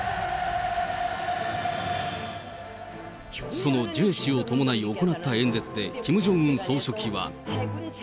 そのジュエ氏を伴い行った演説で、キム・ジョンウン総書記は。